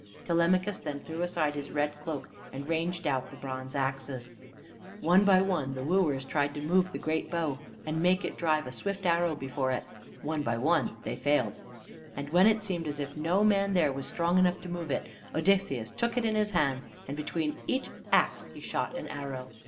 Telemachus then threw aside his red cloak and ranged out the bronze axes. One by one the wooers tried to move the great bow and make it drive a swift arrow before it. One by one they failed. And when it seemed as if no man there was strong enough to move it, Odysseus took it in his hands, and between each axe he shot an arrow.